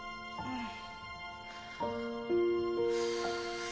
うん？